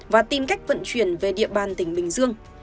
và tìm cách vận chuyển về địa bàn tỉnh bình dương